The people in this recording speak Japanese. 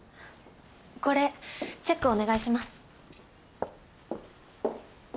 これチェックお願いします。